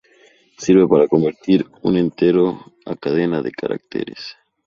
Sirve para convertir un entero a cadena de caracteres.